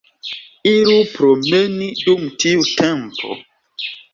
Iru promeni dum tiu tempo.